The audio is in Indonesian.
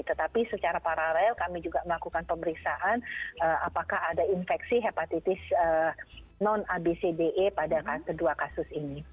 tetapi secara paralel kami juga melakukan pemeriksaan apakah ada infeksi hepatitis non abcde pada kedua kasus ini